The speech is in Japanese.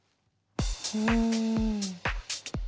うん。